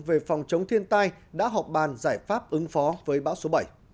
về phòng chống thiên tai đã họp bàn giải pháp ứng phó với bão số bảy